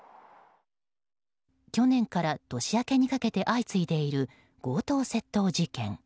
去年から年明けにかけて相次いでいる強盗・窃盗事件。